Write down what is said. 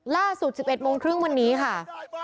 ล่าสุด๑๑โมงครึ่งวันนี้ค่ะ